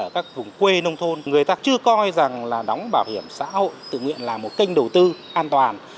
đặc biệt là các vùng quê nông thôn người ta chưa coi rằng là đóng bảo hiểm xã hội tự nguyện là một kênh đầu tư an toàn